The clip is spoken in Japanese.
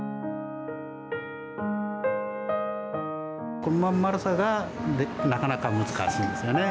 このまん丸さがなかなか難しいんですよね。